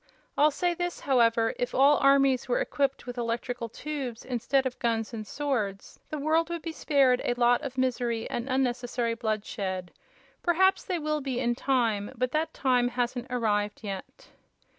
I'll say this, however: if all armies were equipped with Electrical Tubes instead of guns and swords the world would be spared a lot of misery and unnecessary bloodshed. Perhaps in time; but that time hasn't arrived yet."